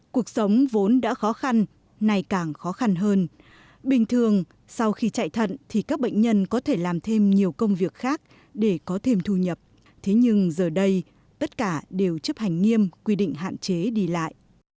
cuộc sống vốn đã khó khăn nay càng khó khăn hơn bình thường sau khi chạy thận thì các bệnh nhân có thể làm thêm nhiều công việc khác để có thêm thu nhập thế nhưng giờ đây tất cả đều chấp hành nghiêm quy định hạn chế đi lại